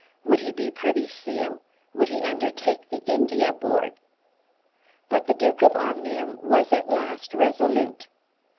Would he be Privy Seal? Would he undertake the India Board? But the Duke of Omnium was at last resolute.